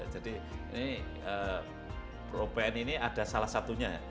jadi pro pn ini ada salah satunya